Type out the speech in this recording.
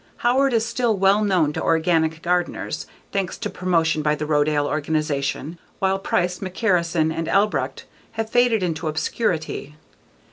Howard is still well known to organic gardeners, thanks to promotion by the Rodale organization while Price, McCarrison, and Albrecht have faded into obscurity.